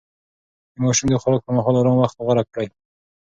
د ماشوم د خوراک پر مهال ارام وخت غوره کړئ.